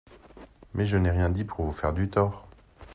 Mais je n’ai rien dit pour vous faire du tort.